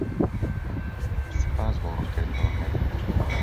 سوپاس بۆ ڕوونکردنەوەکەت.